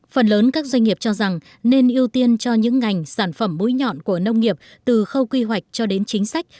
phần lớn các doanh nghiệp cho rằng nên ưu tiên cho những ngành sản phẩm búi nhọn của nông nghiệp từ khâu quy hoạch cho đến chính sách